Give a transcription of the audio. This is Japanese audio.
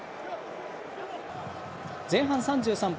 前半３３分。